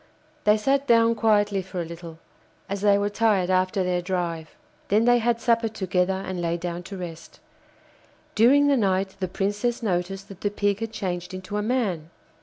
They sat down quietly for a little, as they were tired after their drive; then they had supper together, and lay down to rest. During the night the Princess noticed that the Pig had changed into a man.